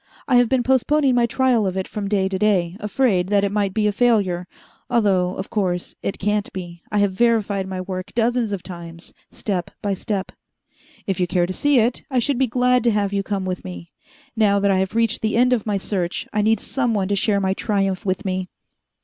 I have been postponing my trial of it from day to day, afraid that it might be a failure although, of course, it can't be. I have verified my work dozens of times, step by step. "If you care to see it, I should be glad to have you come with me. Now that I have reached the end of my search, I need someone to share my triumph with me."